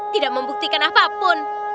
tidak membuktikan apapun